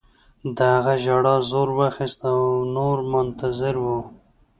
د هغه ژړا زور واخیست او نور منتظر وو